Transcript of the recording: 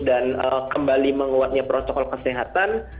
dan kembali menguatnya protokol kesehatan